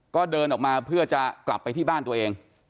ก็เดินออกมาเพื่อจะกลับไปที่บ้านตัวเอง